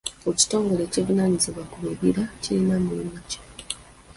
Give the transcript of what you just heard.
Ekitongole ekivunaanyizibwa ku bibira kirina mulimu ki?